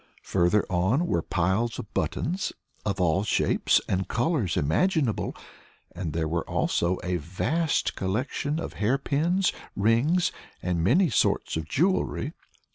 Further on were piles of buttons, of all shapes and colors imaginable, and there were also vast collections of hairpins, rings, and many sorts of jewelry.